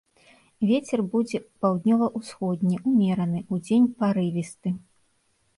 Вецер будзе паўднёва-ўсходні ўмераны, удзень парывісты.